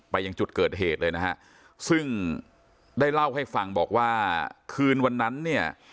ยังจุดเกิดเหตุเลยนะฮะซึ่งได้เล่าให้ฟังบอกว่าคืนวันนั้นเนี่ย